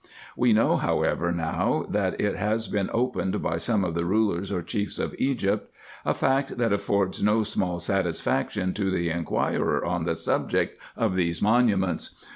We know, however, now, that it has been opened by some of the rulers or chiefs of Egypt ; a fact that affords no small satisfaction to the inquirer on the subject of these monuments.